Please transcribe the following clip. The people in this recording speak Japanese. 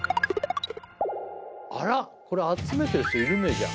あらこれ集めてる人いるねじゃあ。